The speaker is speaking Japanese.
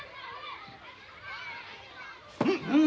うん。